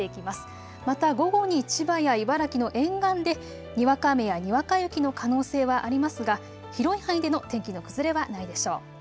また午後に千葉や茨城の沿岸でにわか雨やにわか雪の可能性はありますが広い範囲での天気の崩れはないでしょう。